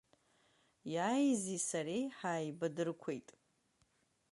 Иааизи сареи ҳаибадырқәеит.